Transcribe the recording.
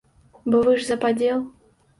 Бо вы ж за падзел.